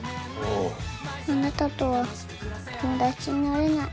あなたとは友達になれない。